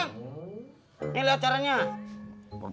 nih liat caranya